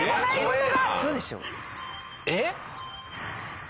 えっ？